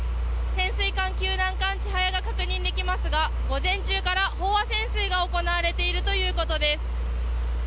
潜水艦救難艦「ちはや」が確認できますが午前中から飽和潜水が行われているということです。